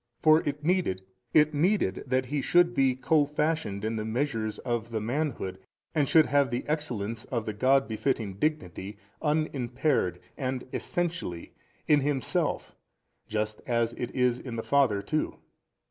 For it needed, it needed that He should be co fashioned in the measures of the manhood and should have the Excellence of the God befitting Dignity Unimpaired and Essentially in Himself just as it is in the Father too.